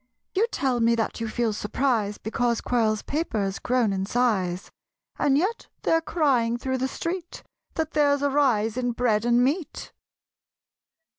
You tell me that you feel surprise Because Quirl's paper's grown in size; And yet they're crying through the street That there's a rise in bread and meat.